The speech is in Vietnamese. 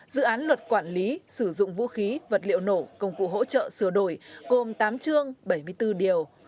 dự án luật quản lý sử dụng vũ khí vật liệu nổ công cụ hỗ trợ sửa đổi gồm tám chương bảy mươi bốn điều